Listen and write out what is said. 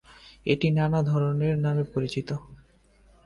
এটি নানা ধরনের নামে পরিচিত।